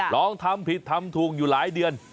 ลองทำผิดทำถูกอยู่หลายเดือน